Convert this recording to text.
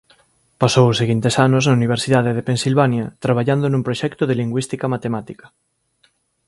Pasou os seguintes anos na Universidade de Pensilvania traballando nun proxecto de lingüística matemática.